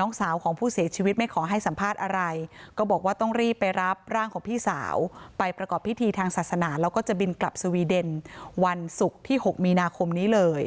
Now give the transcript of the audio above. น้องสาวของผู้เสียชีวิตไม่ขอให้สัมภาษณ์อะไรก็บอกว่าต้องรีบไปรับร่างของพี่สาวไปประกอบพิธีทางศาสนาแล้วก็จะบินกลับสวีเดนวันศุกร์ที่๖มีนาคมนี้เลย